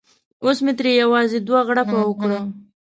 اوس مې ترې یوازې دوه غړپه وکړه.